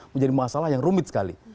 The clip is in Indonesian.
menjadi masalah yang rumit sekali